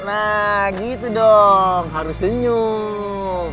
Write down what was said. nah gitu dong harus senyum